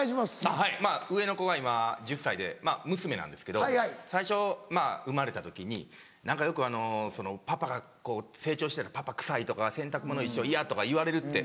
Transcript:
はい上の子が今１０歳で娘なんですけど最初生まれた時によく成長したら「パパ臭い」とか「洗濯物一緒嫌」とか言われるって。